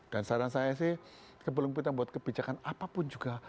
dan saran saya sih kebelung pitan buat kebijakan apapun juga